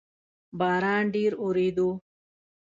باران ډیر اووریدو